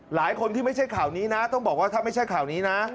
หลายคนที่ไม่ใช่ข่าวนี้นะต้องบอกว่าถ้าไม่ใช่ข่าวนี้นะ